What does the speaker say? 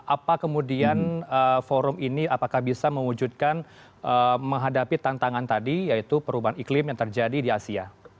apa kemudian forum ini apakah bisa mewujudkan menghadapi tantangan tadi yaitu perubahan iklim yang terjadi di asia